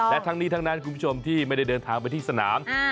และทั้งนี้ทั้งนั้นคุณผู้ชมที่ไม่ได้เดินทางไปที่สนาม